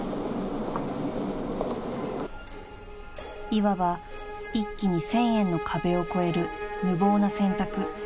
［いわば一気に１，０００円の壁を越える無謀な選択］